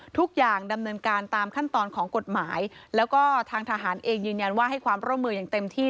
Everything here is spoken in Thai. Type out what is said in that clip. ทุกอย่างดำเนินการตามขั้นตอนของกฎหมายแล้วก็ทางทหารเองยืนยันว่าให้ความร่วมมืออย่างเต็มที่